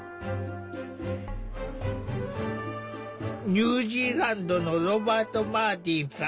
ニュージーランドのロバート・マーティンさん。